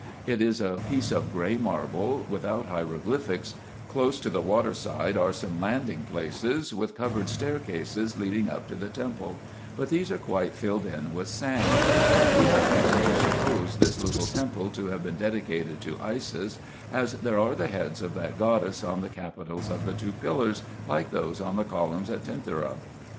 It is a piece of gray marble, without hieroglyphics. Close to the water side are some landing places, with covered staircases, leading up to the temple ; but these are quite filled up with sand. We have reason to suppose this little temple to have been dedicated to Isis, as there are the heads of that goddess on the capitals of the two pillars, like those on the columns at Tentyra.